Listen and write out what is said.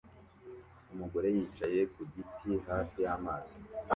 umugore yicaye ku giti hafi y'amazi